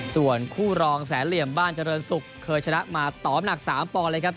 ส่วนคู่รองแสนเหลี่ยมบ้านเจริญศุกร์เคยชนะมาตอบหนัก๓ปอนด์เลยครับ